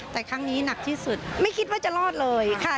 แต่ครั้งนี้หนักที่สุดไม่คิดว่าจะรอดเลยค่ะ